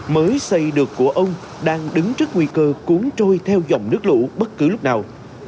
mới xây được của ông đang đứng trước nguy cơ cuốn trôi theo dòng nước lũ bất cứ lúc nào